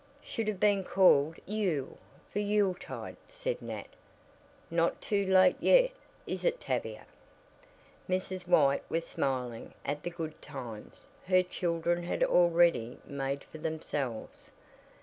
"Should have been called Yule, for yule tide," said Nat. "Not too late yet, is it Tavia?" Mrs. White was smiling at the good times "her children" had already made for themselves.